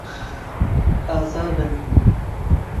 ئازا بن.